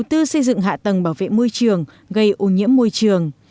đầu tư xây dựng hạ tầng bảo vệ môi trường gây ô nhiễm môi trường